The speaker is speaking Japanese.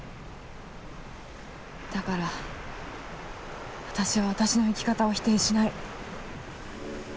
だから私は私の生き方を否定しない。